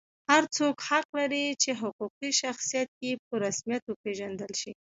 هر څوک حق لري چې حقوقي شخصیت یې په رسمیت وپېژندل شي.